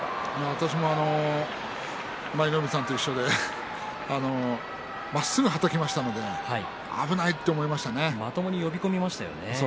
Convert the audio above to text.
私も舞の海さんと一緒でまっすぐはたきましたのでまともに呼び込みましたよね。